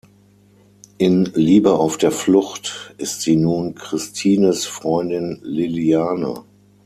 In "Liebe auf der Flucht" ist sie nun Christines Freundin Liliane.